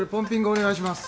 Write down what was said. お願いします。